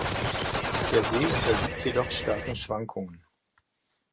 Der See unterliegt jedoch starken Schwankungen.